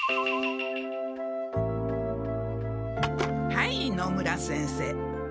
はい野村先生。